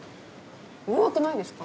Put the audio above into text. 弱くないですか？